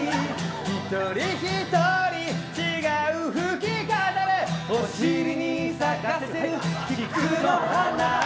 一人ひとり、違う拭き方でお尻に咲かせる菊の花。